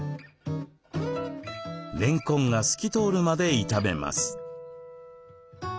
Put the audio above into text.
れんこんが透き通るまで炒めます。